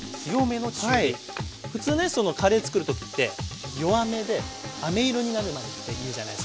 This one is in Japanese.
普通ねカレーつくる時って弱めであめ色になるまでっていうじゃないですか。